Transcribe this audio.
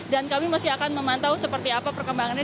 dan kami masih akan memantau seperti apa perkembangannya